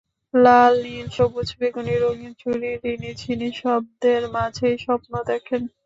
লাল, নীল, সবুজ, বেগুনি রঙিন চুড়ির রিনিঝিনি শব্দের মাঝেই স্বপ্ন দেখেন।